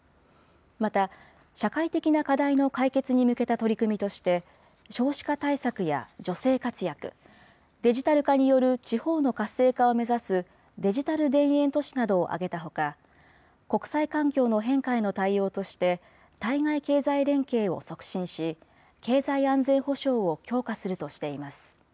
また、社会的な課題の解決に向けた取り組みとして、少子化対策や女性活躍、デジタル化による地方の活性化を目指すデジタル田園都市などを挙げたほか、国際環境の変化への対応として、対外経済連携を促進し、経済安全保障を強化するとしています。